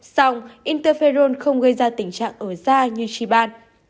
xong interferon không gây ra tình trạng ở da như chì bạt